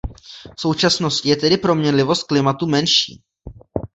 V současnosti je tedy proměnlivost klimatu menší.